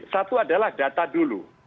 satu adalah data dulu